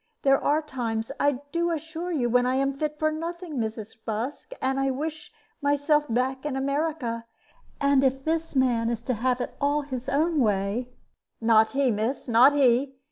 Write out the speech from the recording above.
There are times, I do assure you, when I am fit for nothing, Mrs. Busk, and wish myself back in America. And if this man is to have it all his own way " "Not he, miss not he.